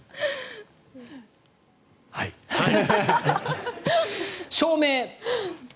はい。